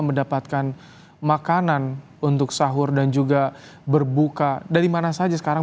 mendapatkan makanan untuk sahur dan juga berbuka dari mana saja sekarang